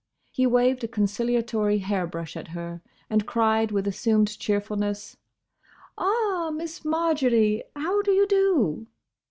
He waved a conciliatory hair brush at her, and cried with assumed cheerfulness, "Ah, Miss Marjory—! How do you do?"